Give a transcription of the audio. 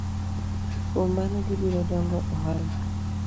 Kuom mano gibiro dongo ohala.